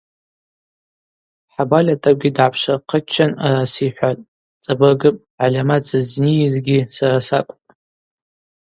Хӏабальа тӏакӏвгьи дгӏапшвырхъыччан араса йхӏватӏ: Цӏабыргыпӏ, гӏальамат зызнийызгьи сара сакӏвпӏ.